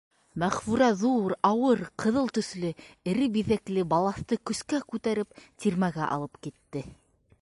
Мәғфүрә ҙур, ауыр, ҡыҙыл төҫлө, эре биҙәкле балаҫты көскә күтәреп, тирмәгә алып китте.